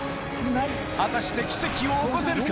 果たして奇跡を起こせるか？